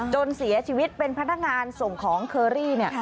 จนเสียชีวิตเป็นพนักงานส่งของเคอรี่